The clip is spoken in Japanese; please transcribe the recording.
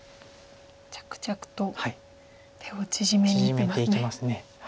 着々と手を縮めにいってますね。